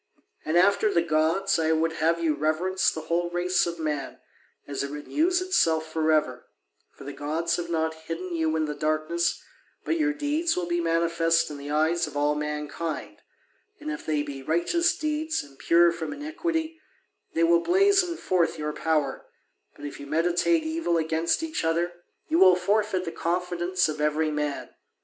And after the gods, I would have you reverence the whole race of man, as it renews itself for ever; for the gods have not hidden you in the darkness, but your deeds will be manifest in the eyes of all mankind, and if they be righteous deeds and pure from iniquity, they will blazon forth your power: but if you meditate evil against each other, you will forfeit the confidence of every man.